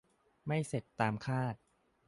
ไม่เสร็จตามคาด